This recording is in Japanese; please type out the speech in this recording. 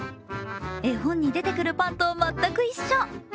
絵本に出てくるパンと全く一緒。